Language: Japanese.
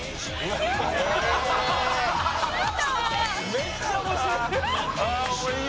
「めっちゃ面白い」